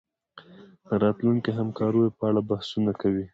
د راتلونکو همکاریو په اړه بحثونه کوي